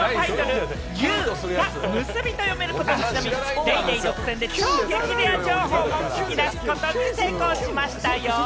『結ーＹＯＵー』が結びと読めることにちなみ、『ＤａｙＤａｙ．』独占で超激レア情報を聞き出すことに成功しましたよ。